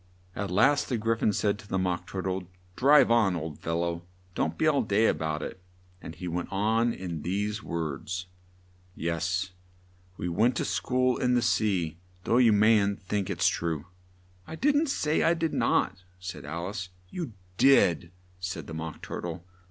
At last the Gry phon said to the Mock Tur tle, "Drive on, old fellow! Don't be all day a bout it!" and he went on in these words: "Yes, we went to school in the sea, though you mayn't think it's true " "I didn't say I did not!" said Al ice. "You did," said the Mock Tur tle.